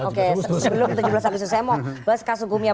oke sebelum tujuh belas agustus saya mau bahas kasus hukumnya